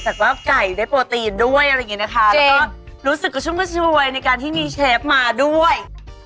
แต่ก็ไก่ได้โปรตีนด้วยอะไรแบบนี้นะคะรู้สึกสุขก็ช่วยในการที่มีเชฟมาด้วย